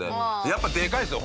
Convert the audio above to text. やっぱでかいですよ